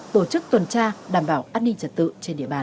tổ chức tuần tra đảm bảo an ninh trật tự trên địa bàn